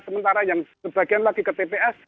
sementara yang sebagian lagi ke tps